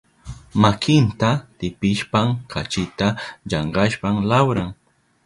Makinta pitishpan kachita llankashpan lawran.